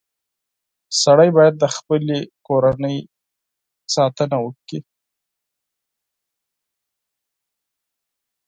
• سړی باید د خپلې کورنۍ ساتنه وکړي.